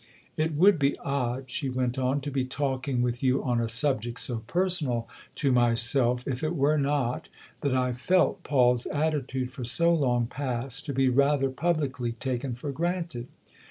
" It would be odd," she went on, " to be talking with you on a subject so personal to myself if it were not that I've felt Paul's attitude for so long past to be rather publicly taken for granted.